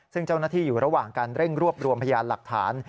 ซึ่งเจ้าหน้าที่อยู่ระหว่างการเร่งรวบรวมพยานหลักฐาน